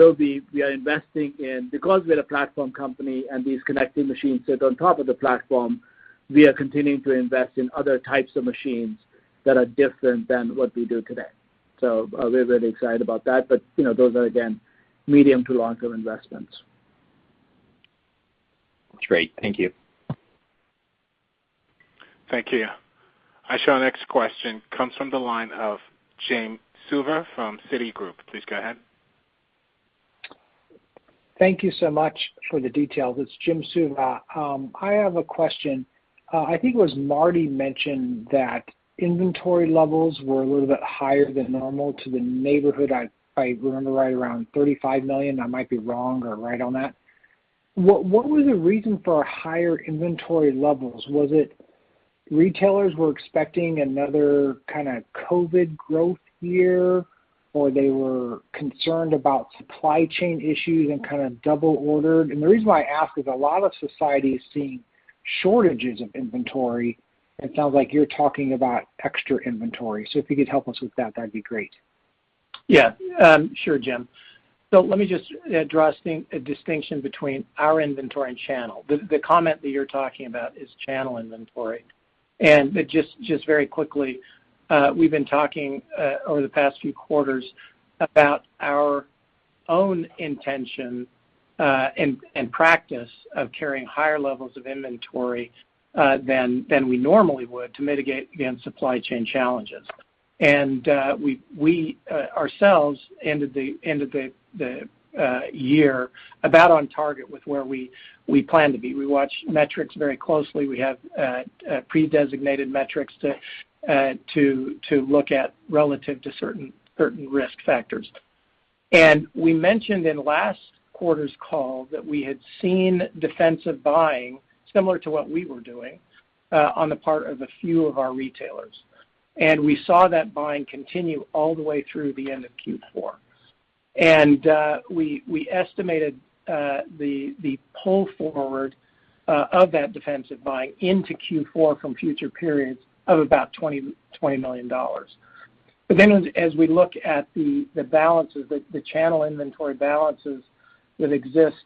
are investing in because we're a platform company and these connected machines sit on top of the platform. We are continuing to invest in other types of machines that are different than what we do today. We're really excited about that. Those are, again, medium to long-term investments. Great. Thank you. Thank you. Our next question comes from the line of Jim Suva from Citigroup. Please go ahead. Thank you so much for the details. It's Jim Suva. I have a question. I think it was Marty mentioned that inventory levels were a little bit higher than normal in the neighborhood. I remember right around $35 million. I might be wrong or right on that. What was the reason for higher inventory levels? Was it retailers were expecting another kinda COVID growth year, or they were concerned about supply chain issues and kind of double ordered? The reason why I ask is a lot of the industry is seeing shortages of inventory, and it sounds like you're talking about extra inventory. If you could help us with that'd be great. Yeah. Sure, Jim. Let me just draw a distinction between our inventory and channel. The comment that you're talking about is channel inventory. Just very quickly, we've been talking over the past few quarters about our own intention and practice of carrying higher levels of inventory than we normally would to mitigate against supply chain challenges. We ourselves ended the year about on target with where we planned to be. We watch metrics very closely. We have predesignated metrics to look at relative to certain risk factors. We mentioned in last quarter's call that we had seen defensive buying similar to what we were doing on the part of a few of our retailers. We saw that buying continue all the way through the end of Q4. We estimated the pull forward of that defensive buying into Q4 from future periods of about $20 million. As we look at the balances, the channel inventory balances that existed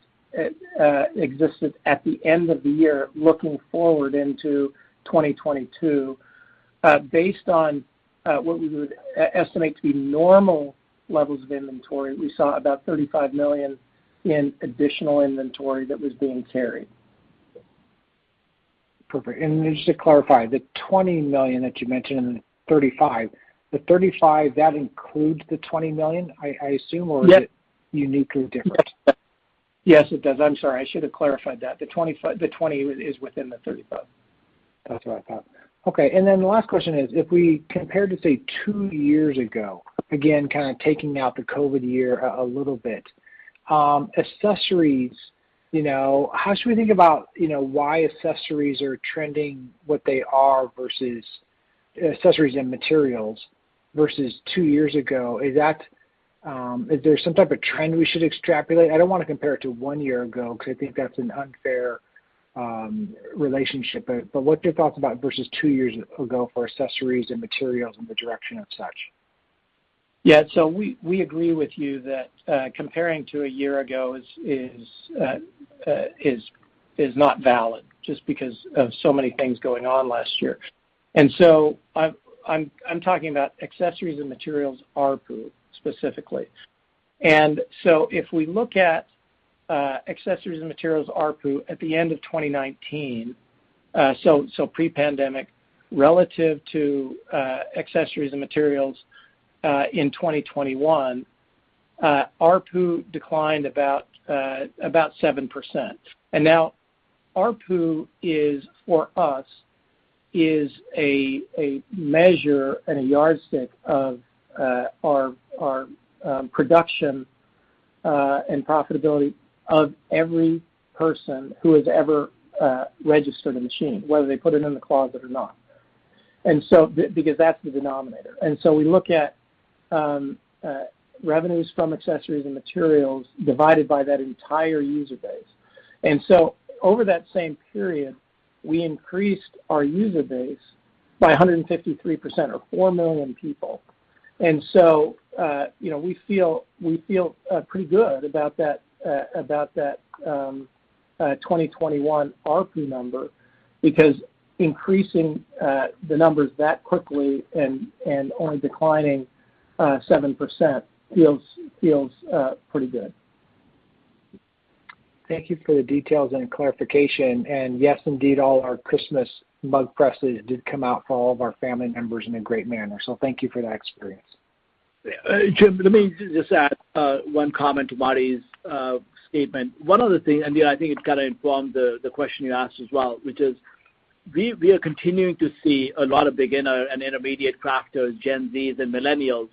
at the end of the year looking forward into 2022, based on what we would estimate to be normal levels of inventory, we saw about $35 million in additional inventory that was being carried. Perfect. Just to clarify, the $20 million that you mentioned and the $35 million that includes the $20 million, I assume- Yes. Is it uniquely different? Yes, it does. I'm sorry. I should have clarified that. The 20 is within the 35. That's what I thought. Okay. The last question is, if we compared to, say, two years ago, again, kind of taking out the COVID year a little bit, accessories, you know, how should we think about, you know, why accessories are trending what they are versus, accessories and materials, versus two years ago? Is that, is there some type of trend we should extrapolate? I don't wanna compare it to one year ago because I think that's an unfair relationship. What's your thoughts about versus two years ago for accessories and materials and the direction of such? Yeah. We agree with you that comparing to a year ago is not valid just because of so many things going on last year. I'm talking about accessories and materials ARPU specifically. If we look at accessories and materials ARPU at the end of 2019, so pre-pandemic, relative to accessories and materials in 2021, ARPU declined about 7%. Now ARPU is, for us, a measure and a yardstick of our production and profitability of every person who has ever registered a machine, whether they put it in the closet or not. Because that's the denominator. We look at revenues from accessories and materials divided by that entire user base. Over that same period, we increased our user base by 153% or 4 million people. You know, we feel pretty good about that 2021 ARPU number because increasing the numbers that quickly and only declining 7% feels pretty good. Thank you for the details and clarification. Yes, indeed, all our Christmas mug presses did come out for all of our family members in a great manner. Thank you for that experience. Jim, let me just add one comment to Marty's statement. One of the things, you know, I think it kind of informed the question you asked as well, which is we are continuing to see a lot of beginner and intermediate crafters, Gen Zs, and millennials.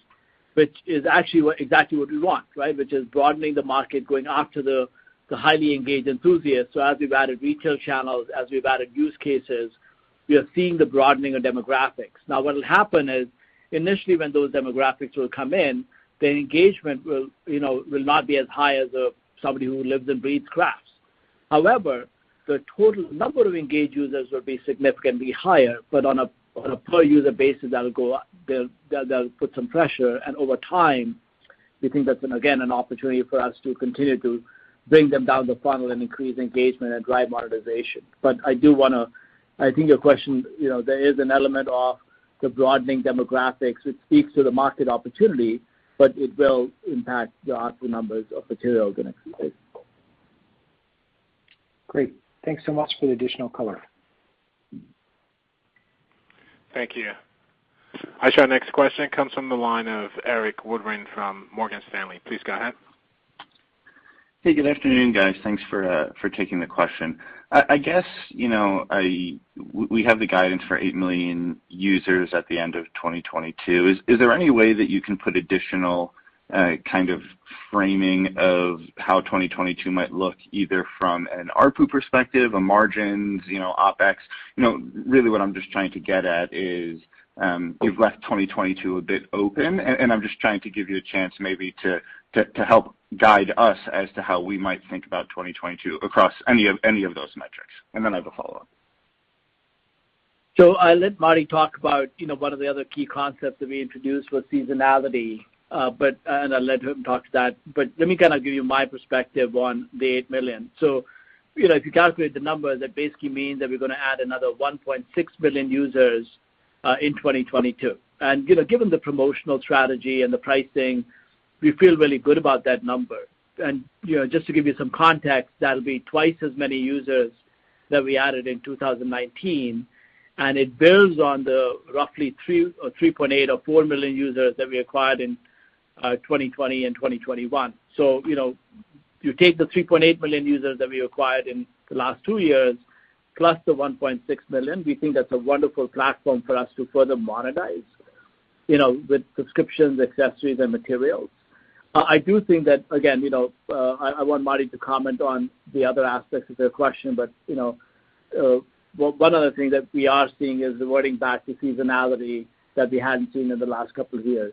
Which is actually exactly what we want, right? Which is broadening the market, going after the highly engaged enthusiasts. As we've added retail channels, as we've added use cases, we are seeing the broadening of demographics. Now, what will happen is initially when those demographics come in, the engagement will, you know, will not be as high as somebody who lives and breathes crafts. However, the total number of engaged users will be significantly higher, but on a per user basis, that'll go up. They'll, that'll put some pressure, and over time, we think that's been, again, an opportunity for us to continue to bring them down the funnel and increase engagement and drive monetization. I do wanna, I think your question, you know, there is an element of the broadening demographics, which speaks to the market opportunity, but it will impact the actual numbers of materials going to. Great. Thanks so much for the additional color. Thank you. Ayesha, next question comes from the line of Erik Woodring from Morgan Stanley. Please go ahead. Hey, good afternoon, guys. Thanks for taking the question. I guess, you know, we have the guidance for 8 million users at the end of 2022. Is there any way that you can put additional kind of framing of how 2022 might look either from an ARPU perspective, margins, you know, OpEx? You know, really what I'm just trying to get at is, you've left 2022 a bit open, and I'm just trying to give you a chance maybe to help guide us as to how we might think about 2022 across any of those metrics. Then I have a follow-up. I'll let Marty talk about, you know, one of the other key concepts that we introduced was seasonality, and I'll let him talk to that. Let me kind of give you my perspective on the 8 million. You know, if you calculate the numbers, that basically means that we're gonna add another 1.6 billion users in 2022. You know, given the promotional strategy and the pricing, we feel really good about that number. You know, just to give you some context, that'll be twice as many users that we added in 2019, and it builds on the roughly 3 or 3.8 or 4 million users that we acquired in 2020 and 2021. You know, you take the 3.8 million users that we acquired in the last two years, plus the 1.6 million. We think that's a wonderful platform for us to further monetize, you know, with subscriptions, accessories, and materials. I do think that, again, you know, I want Marty to comment on the other aspects of the question. You know, one of the things that we are seeing is returning back to seasonality that we hadn't seen in the last couple of years.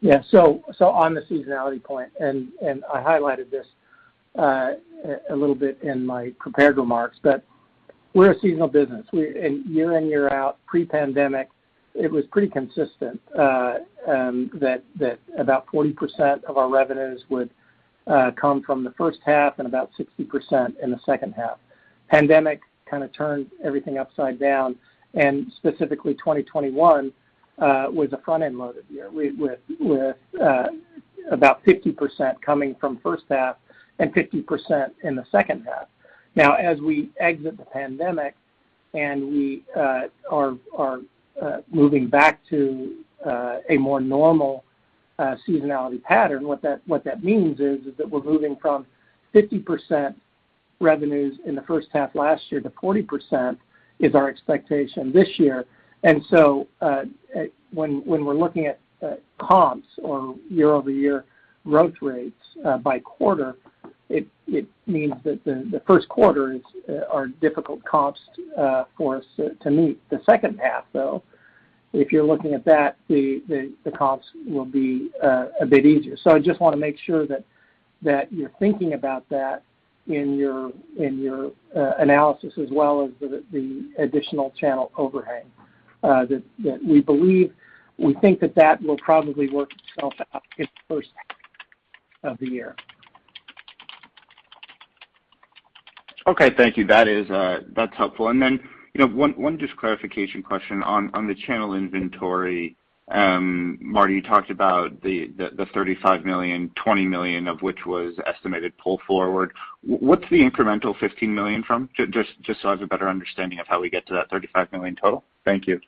Yeah. On the seasonality point, I highlighted this a little bit in my prepared remarks, but we're a seasonal business. Year in, year out, pre-pandemic, it was pretty consistent that about 40% of our revenues would come from the first half and about 60% in the second half. The pandemic kinda turned everything upside down, and specifically 2021 was a front-end loaded year with about 50% coming from first half and 50% in the second half. Now, as we exit the pandemic and we are moving back to a more normal seasonality pattern, what that means is that we're moving from 50% revenues in the first half last year to 40% is our expectation this year. When we're looking at comps or year-over-year growth rates by quarter, it means that the first quarters are difficult comps for us to meet. The second half, though, if you're looking at that, the comps will be a bit easier. I just wanna make sure that you're thinking about that in your analysis as well as the additional channel overhang that we believe. We think that will probably work itself out in the first half of the year. Okay. Thank you. That is, that's helpful. Then, you know, one just clarification question on the channel inventory. Marty, you talked about the $35 million, $20 million of which was estimated pull forward. What's the incremental $15 million from? Just so I have a better understanding of how we get to that $35 million total. Thank you.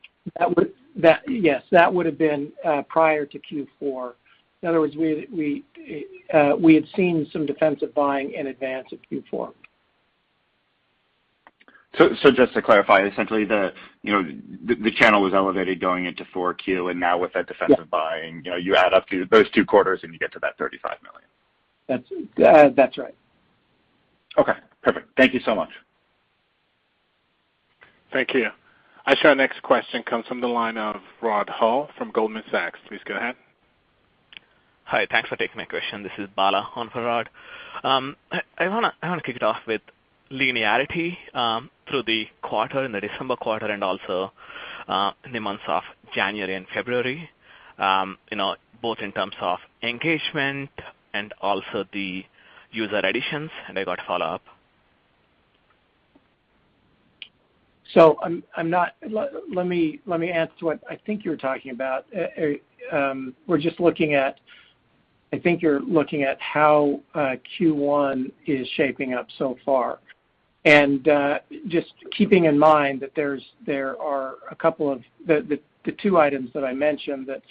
Yes, that would have been prior to Q4. In other words, we had seen some defensive buying in advance of Q4. Just to clarify, essentially, you know, the channel was elevated going into 4Q, and now with that defensive buying. Yeah. You know, you add up those two quarters, and you get to that $35 million. That's right. Okay. Perfect. Thank you so much. Thank you. I saw our next question comes from the line of Rod Hall from Goldman Sachs. Please go ahead. Hi. Thanks for taking my question. This is Bala on for Rod. I wanna kick it off with linearity through the quarter, in the December quarter and also in the months of January and February, you know, both in terms of engagement and also the user additions. I got follow-up. Let me answer what I think you're talking about. I think you're looking at how Q1 is shaping up so far. Just keeping in mind that there are a couple of the two items that I mentioned that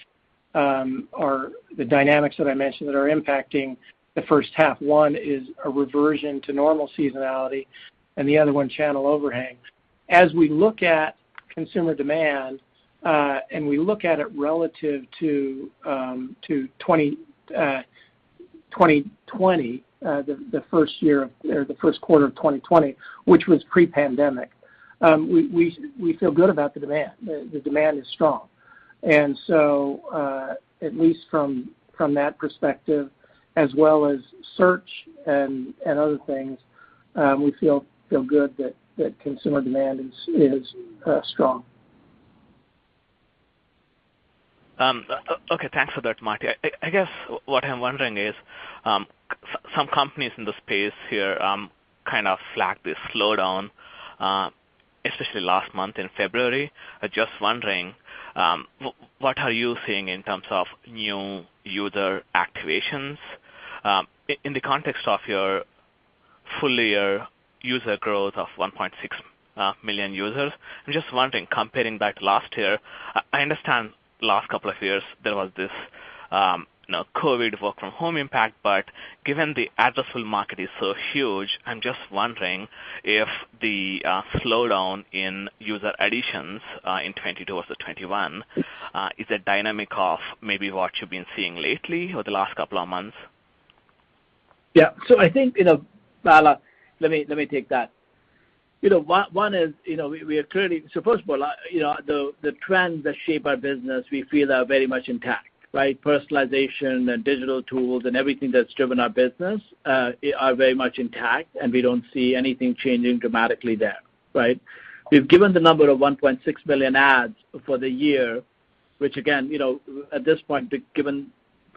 are the dynamics that I mentioned that are impacting the first half. One is a reversion to normal seasonality, and the other one, channel overhang. As we look at Consumer demand and we look at it relative to the first quarter of 2020, which was pre-pandemic. We feel good about the demand. The demand is strong. At least from that perspective, as well as search and other things, we feel good that consumer demand is strong. Okay, thanks for that, Marty. I guess what I'm wondering is, some companies in the space here kind of flagged this slowdown, especially last month in February. I'm just wondering, what are you seeing in terms of new user activations, in the context of your full year user growth of 1.6 million users? I'm just wondering, comparing back to last year. I understand last couple of years there was this, you know, COVID work from home impact, but given the addressable market is so huge, I'm just wondering if the slowdown in user additions in 2022 versus 2021 is a dynamic of maybe what you've been seeing lately or the last couple of months. Yeah. I think, you know, Bala, let me take that. You know, one is, you know, we are clearly first of all, you know, the trends that shape our business, we feel are very much intact, right? Personalization and digital tools and everything that's driven our business are very much intact, and we don't see anything changing dramatically there, right? We've given the number of 1.6 million adds for the year, which again, you know, at this point, given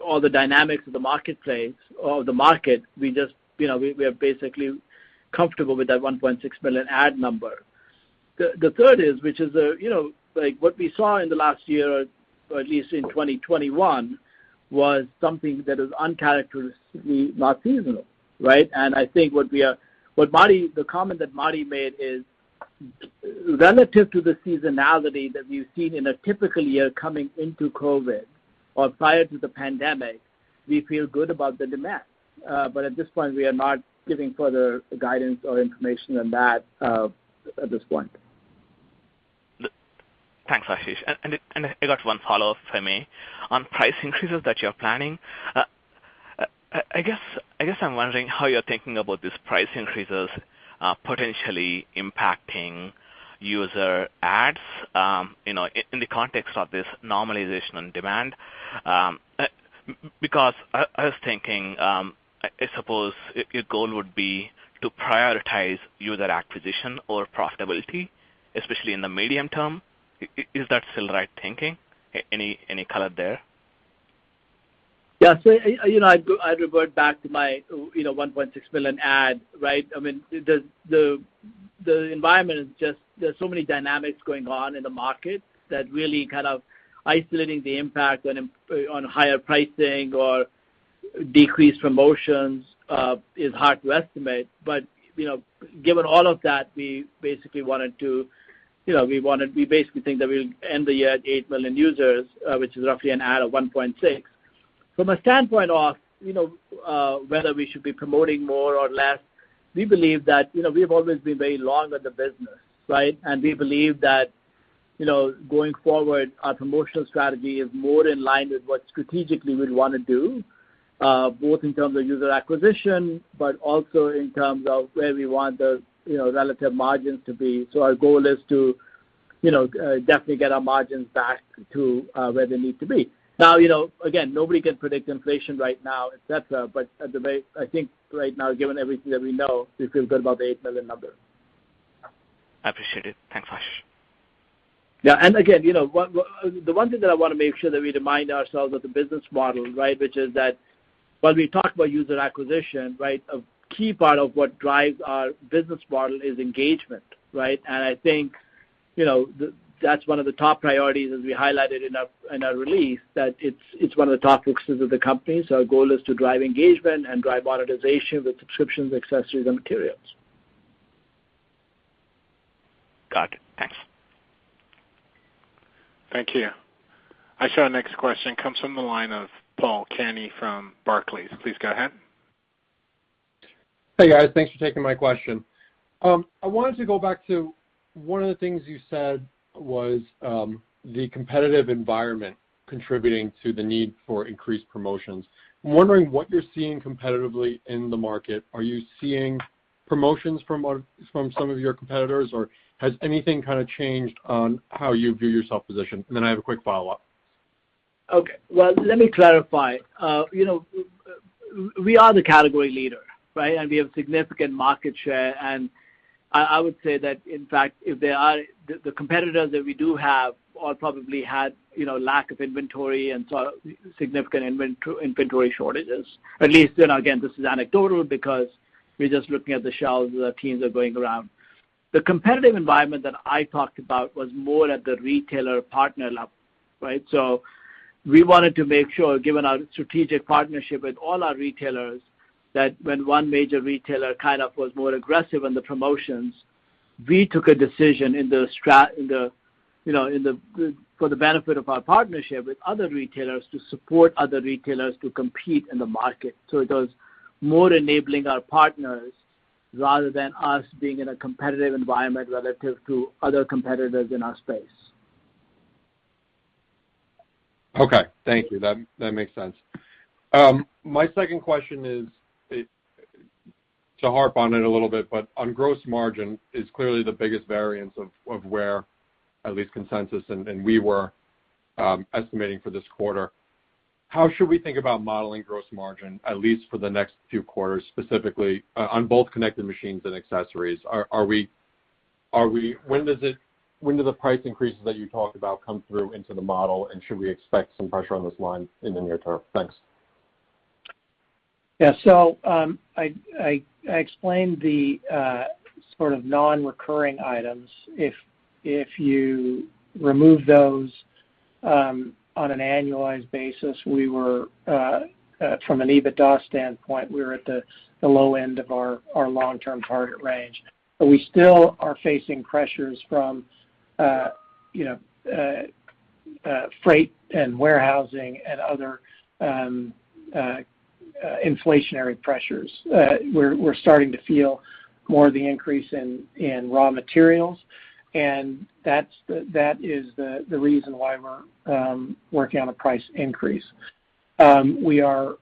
all the dynamics of the marketplace or the market, we just, you know, we are basically comfortable with that 1.6 million add number. The third is, which is, you know, like what we saw in the last year, or at least in 2021, was something that is uncharacteristically not seasonal, right? I think the comment that Marty made is relative to the seasonality that we've seen in a typical year coming into COVID or prior to the pandemic. We feel good about the demand. At this point, we are not giving further guidance or information on that, at this point. Thanks, Ashish. I got one follow-up, if I may. On price increases that you're planning, I guess I'm wondering how you're thinking about these price increases, potentially impacting user adds, you know, in the context of this normalization on demand. Because I was thinking, I suppose your goal would be to prioritize user acquisition over profitability, especially in the medium term. Is that still right thinking? Any color there? Yeah. You know, I'd revert back to my, you know, 1.6 million add, right? I mean, the environment is just there's so many dynamics going on in the market that really kind of isolating the impact on higher pricing or decreased promotions is hard to estimate. You know, given all of that, we basically think that we'll end the year at 8 million users, which is roughly an add of 1.6. From a standpoint of, you know, whether we should be promoting more or less, we believe that, you know, we've always been very long on the business, right? We believe that, you know, going forward, our promotional strategy is more in line with what strategically we'd want to do, both in terms of user acquisition, but also in terms of where we want the, you know, relative margins to be. So our goal is to, you know, definitely get our margins back to where they need to be. Now, you know, again, nobody can predict inflation right now, et cetera, but very, I think right now, given everything that we know, we feel good about the $8 million number. I appreciate it. Thanks, Ashish. Yeah. Again, you know, the one thing that I want to make sure that we remind ourselves of the business model, right, which is that when we talk about user acquisition, right, a key part of what drives our business model is engagement, right? I think, you know, that's one of the top priorities as we highlighted in our release, that it's one of the top fixes of the company. Our goal is to drive engagement and drive monetization with subscriptions, accessories, and materials. Got it. Thanks. Thank you. Our next question comes from the line of Paul Kearney from Barclays. Please go ahead. Hey, guys. Thanks for taking my question. I wanted to go back to one of the things you said was the competitive environment contributing to the need for increased promotions. I'm wondering what you're seeing competitively in the market. Are you seeing promotions from some of your competitors, or has anything kind of changed on how you view yourself positioned? I have a quick follow-up. Okay. Well, let me clarify. You know, we are the category leader, right? We have significant market share. I would say that, in fact, the competitors that we do have all probably had, you know, lack of inventory and saw significant inventory shortages. At least, you know, again, this is anecdotal because we're just looking at the shelves as our teams are going around. The competitive environment that I talked about was more at the retailer partner level, right? We wanted to make sure, given our strategic partnership with all our retailers, that when one major retailer kind of was more aggressive on the promotions, we took a decision, you know, for the benefit of our partnership with other retailers to support other retailers to compete in the market. It was more enabling our partners rather than us being in a competitive environment relative to other competitors in our space. Okay. Thank you. That makes sense. My second question is, to harp on it a little bit, but on gross margin is clearly the biggest variance of where at least consensus and we were estimating for this quarter. How should we think about modeling gross margin, at least for the next few quarters, specifically on both connected machines and accessories? When do the price increases that you talked about come through into the model, and should we expect some pressure on this line in the near term? Thanks. Yeah. I explained the sort of non-recurring items. If you remove those, on an annualized basis, we were, from an EBITDA standpoint, at the low end of our long-term target range. We still are facing pressures from you know, freight and warehousing and other inflationary pressures. We're starting to feel more of the increase in raw materials, and that is the reason why we're working on a price increase. We're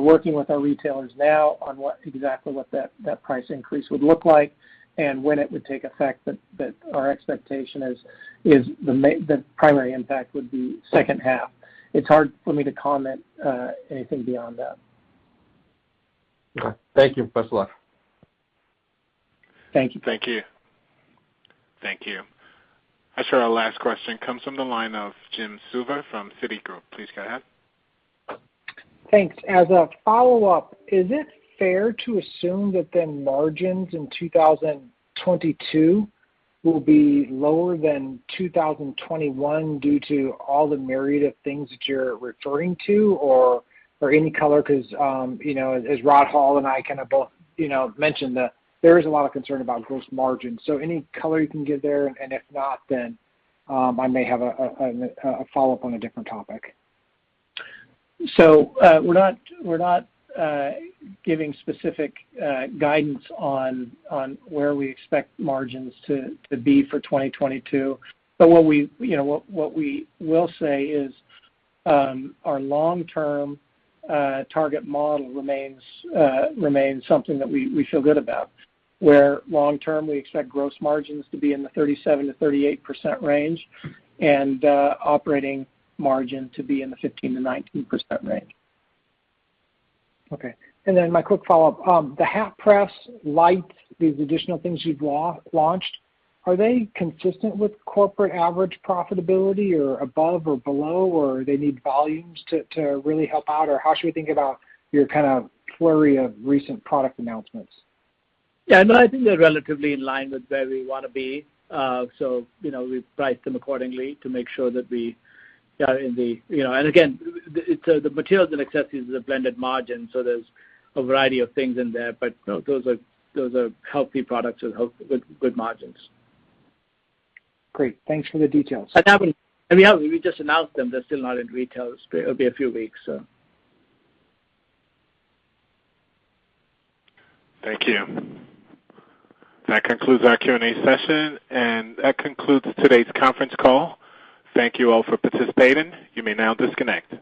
working with our retailers now on what exactly that price increase would look like and when it would take effect, but our expectation is the primary impact would be second half. It's hard for me to comment anything beyond that. Okay. Thank you. Best of luck. Thank you. Thank you. Thank you. Our last question comes from the line of Jim Suva from Citigroup. Please go ahead. Thanks. As a follow-up, is it fair to assume that then margins in 2022 will be lower than 2021 due to all the myriad of things that you're referring to? Or any color, because you know, as Rod Hall and I kind of both, you know, mentioned that there is a lot of concern about gross margin. Any color you can give there, and if not, then I may have a follow-up on a different topic. We're not giving specific guidance on where we expect margins to be for 2022. What we will say is our long-term target model remains something that we feel good about. Where long-term, we expect gross margins to be in the 37%-38% range and operating margin to be in the 15%-19% range. Okay. My quick follow-up. The Hat Press, lights, these additional things you've launched, are they consistent with corporate average profitability or above or below or they need volumes to really help out? Or how should we think about your kind of flurry of recent product announcements? Yeah, no, I think they're relatively in line with where we wanna be. You know, we price them accordingly to make sure that we are in the. You know, and again, the materials and accessories is a blended margin, so there's a variety of things in there. No, those are healthy products with good margins. Great. Thanks for the details. Yeah, we just announced them. They're still not in retail. It'll be a few weeks, so. Thank you. That concludes our Q&A session, and that concludes today's conference call. Thank you all for participating. You may now disconnect.